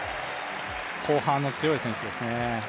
後半の強い選手です。